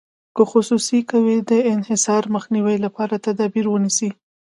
که خصوصي کوي د انحصار مخنیوي لپاره تدابیر ونیسي.